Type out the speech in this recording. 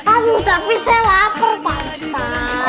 aduh tapi saya lapar pak ustaz